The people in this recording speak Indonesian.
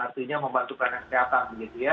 artinya membantu pelayanan kesehatan